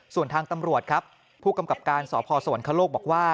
ส่วนทางตำรวจครับผู้กำกับการสพสวรรคโลกบอกว่า